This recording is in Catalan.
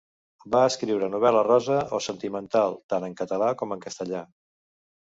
Va escriure novel·la rosa o sentimental, tant en català com en castellà.